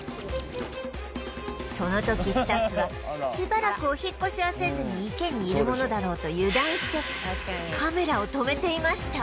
その時スタッフはしばらくお引っ越しはせずに池にいるものだろうと油断してカメラを止めていました